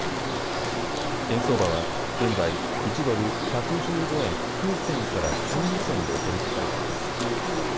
円相場は現在１ドル１１５円９銭から１２銭で取り引きされています。